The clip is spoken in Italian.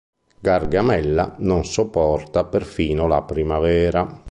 Gargamella non sopporta perfino la primavera.